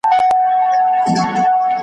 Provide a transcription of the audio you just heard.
زوی یې غوښتی خیر یې نه غوښتی .